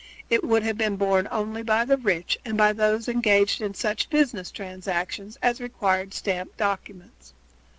It would have been borne only by the rich and by those engaged in such business transactions as required stamped documents.